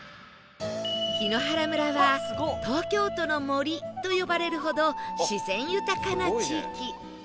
檜原村は東京都の森と呼ばれるほど自然豊かな地域